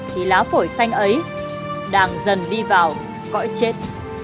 thì lá phổi xanh ấy đang dần đi vào cõi chết